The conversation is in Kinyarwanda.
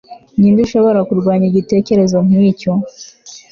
Ninde ushobora kurwanya igitekerezo nkicyo